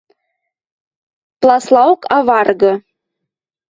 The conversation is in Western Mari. Пласлаок аваргы;